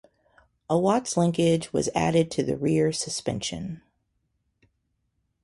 A Watt's linkage was added to the rear suspension.